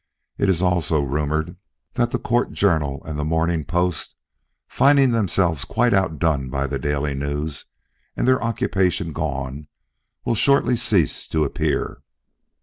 It is also rumored that the Court Journal and the Morning Post, finding themselves quite outdone by the Daily News, and their occupation gone, will shortly cease to appear.